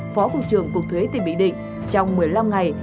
phó cục trưởng cục thuế tỉnh bình định trong một mươi năm ngày